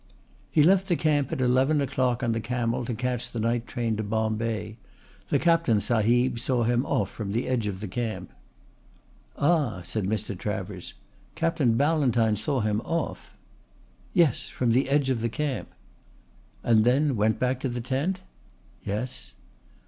"He left the camp at eleven o'clock on the camel to catch the night train to Bombay. The Captain sahib saw him off from the edge of the camp." "Ah," said Mr. Travers, "Captain Ballantyne saw him off?" "Yes from the edge of the camp." "And then went back to the tent?" "Yes."